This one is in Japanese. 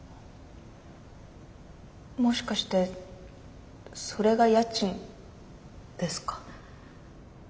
もしかしてそれが家賃ですか？